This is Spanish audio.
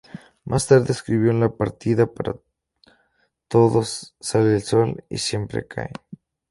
Más tarde escribió La partida, Para todos sale el sol y Siempre Caín.